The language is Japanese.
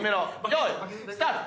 よーいスタート！